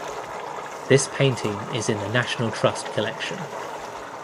This painting is in the National Trust collection.